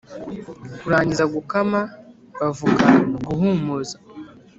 Kurangiza Gukama bavuga Guhumuza